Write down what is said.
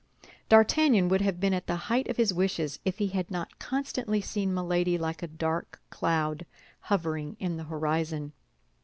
D'Artagnan would have been at the height of his wishes if he had not constantly seen Milady like a dark cloud hovering in the horizon.